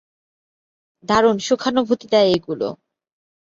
দারুণ সুখানুভূতি দেয় এগুলো।